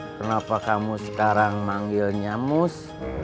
kenapa kamu sekarang manggilnya mus